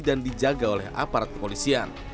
dan dijaga oleh aparat kepolisian